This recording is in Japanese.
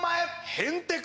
へんてこ